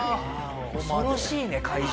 恐ろしいね会場